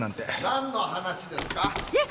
・何の話ですか？やっ！